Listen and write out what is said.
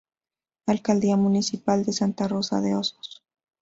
Alcaldía Municipal de Santa Rosa de Osos.